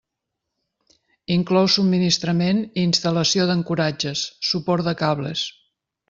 Inclou subministrament i instal·lació d'ancoratges, suports de cables.